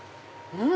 うん！